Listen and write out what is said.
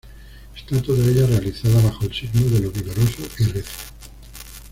Está toda ella realizada bajo el signo de lo vigoroso y recio.